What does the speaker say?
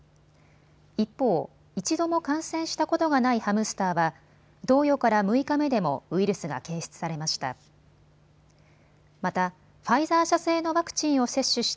一方、一度も感染したことがないハムスターは投与から６日目でもウイルスが検出されました。